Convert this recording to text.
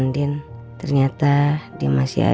tenang ya tenang ya